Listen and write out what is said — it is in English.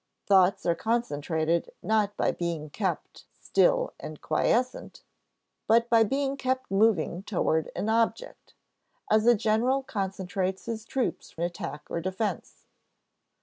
Thoughts are concentrated not by being kept still and quiescent, but by being kept moving toward an object, as a general concentrates his troops for attack or defense.